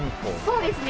そうですね。